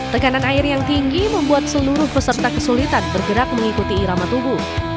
tekanan air yang tinggi membuat seluruh peserta kesulitan bergerak mengikuti irama tubuh